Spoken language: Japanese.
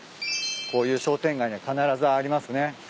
こういう商店街には必ずありますね。